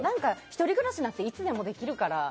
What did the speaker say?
１人暮らしなんていつでもできるから。